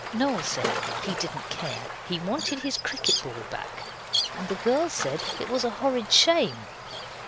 Noel said he didn't care. He wanted his cricket ball back. And the girls said it was a horrid shame.